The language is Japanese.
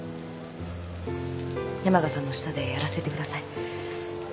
山賀さんの下でやらせてください。